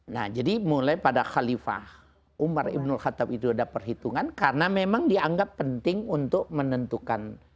nah jadi mulai pada khalifah umar ibn khattab itu ada perhitungan karena memang dianggap penting untuk menentukan